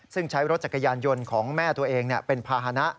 ซึ่งใช้รถจักรยานยนต์ของแม่ตัวเองเป็นภาษณะ